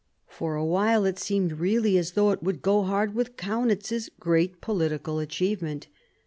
For a while it seemed really as though it would go hard with Kaunitz's great political achievement.